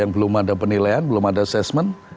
belum ada penilaian belum ada assessment